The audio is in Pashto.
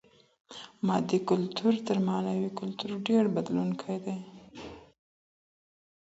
مادي کلتور تر معنوي کلتور ډېر بدلېدونکی دی.